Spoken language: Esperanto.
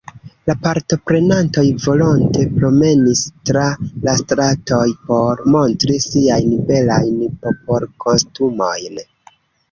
La partoprenantoj volonte promenis tra la stratoj por montri siajn belajn popolkostumojn.